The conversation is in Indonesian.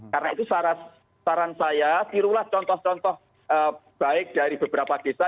karena itu saran saya tirulah contoh contoh baik dari beberapa desa